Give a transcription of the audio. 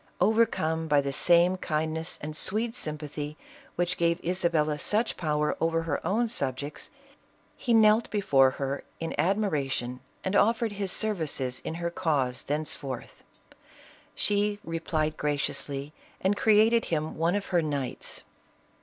Overcome by the same kind ness and sweet sympathy which gave Isabella such power over her own subjects, he. knelt before her in ISABELLA OF CASTILE. Ill admiration, and offered his services in her cause thence forth. She replied graciously and created him one of her knights.